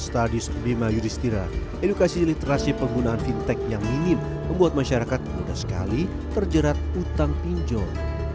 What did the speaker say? stadis bima yudhistira edukasi literasi penggunaan fintech yang minim membuat masyarakat mudah sekali terjerat utang pinjol